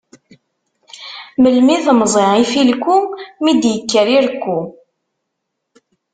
Melmi temẓi ifilku, mi d-ikker irekku?